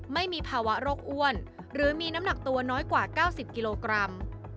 ไม่มีภาวะโรคอ้วนหรือมีน้ำหนักตัวน้อยกว่า๙๐กิโลกรัม